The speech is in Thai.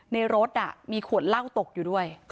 ในรถมีขวดเหล้าตกอยู่ด้วย